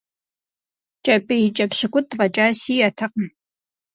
КӀэпӀейкӀэ пщыкӀутӀ фӀэкӀа сиӏэтэкъым.